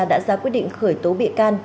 đã ra quyết định khởi tố bị can